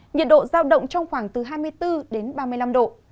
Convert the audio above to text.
nhiệt độ giao động trong khoảng từ hai mươi bốn đến ba mươi năm độ